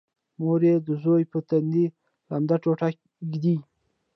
مور یې د زوی په تندي لمده ټوټه ږدي